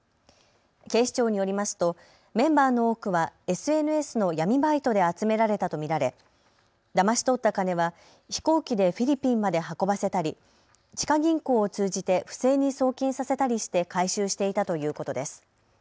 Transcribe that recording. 警視庁によりますとメンバーの多くはＳＮＳの闇バイトで集められたと見られだまし取った金は飛行機でフィリピンまで運ばせたり地下銀行を通じて不正に送金させたりして回収していたということです。